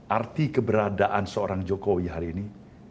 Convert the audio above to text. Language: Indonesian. arti keberadaan seorang jokowi hari ini